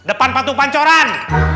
depan patung pancoran